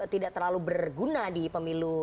tidak terlalu berguna di pemilu